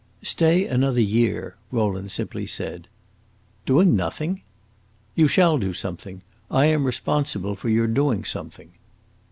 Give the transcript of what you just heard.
"Stay another year," Rowland simply said. "Doing nothing?" "You shall do something. I am responsible for your doing something."